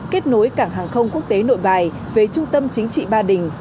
kết nối cảng hàng không quốc tế nội bài về trung tâm chính trị ba đình